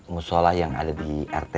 mushollah yang ada di rt sebelas